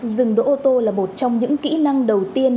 dừng đỗ ô tô là một trong những kỹ năng đầu tiên